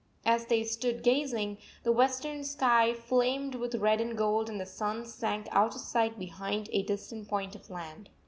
As they stood gazing, the western sky flamed with red and gold and the sun sank out of sight behind a distant point of land.